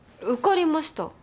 受かりました。